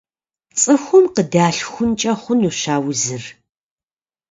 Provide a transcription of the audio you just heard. ЦӀыхум къыдалъхункӀэ хъунущ а узыр.